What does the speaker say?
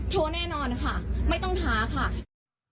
แน่นอนค่ะไม่ต้องท้าค่ะ